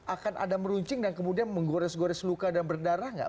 akan ada meruncing dan kemudian menggores gores luka dan berdarah nggak